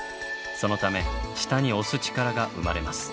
そのため下に押す力が生まれます。